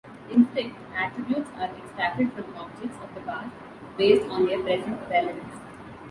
Instead, attributes are extracted from objects of the past based on their present relevance.